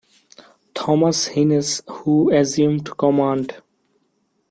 Thomas Hines, who assumed command.